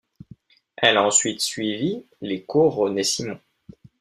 Elle a ensuite suivi les cours René Simon.